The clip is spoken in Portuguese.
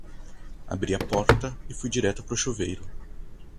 Abri a porta e fui direto pro chuveiro.